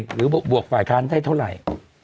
หรือบวกฝ่ายทางได้เท่าไหร่